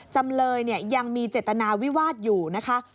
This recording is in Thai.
จำเลยยังมีเจตนาวิวาสอยู่นะคะ